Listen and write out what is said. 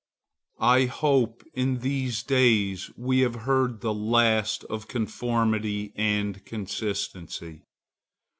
I hope in these days we have heard the last of conformity and consistency.